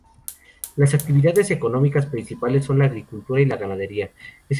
Las actividades económicas principales son la agricultura y ganadería.